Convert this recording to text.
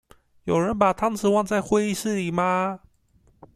有人把湯匙忘在會議室裡嗎？